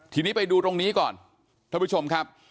ทีนี้ไปดูตรงนี้ก่อนท่านผู้ชมครับ